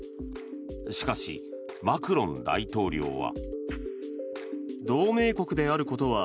しかし、マクロン大統領は。